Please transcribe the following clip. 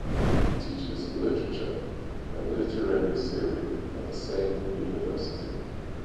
He teaches literature and literary theory at the same university.